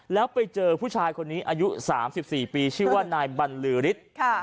แล้วไปเจอผู้ชายคนนี้อายุ๓๔ปีชื่อว่านายบรรลือฤทธิ์